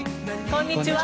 こんにちは。